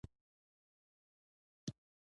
جګړه د انسان فکرونه ویجاړوي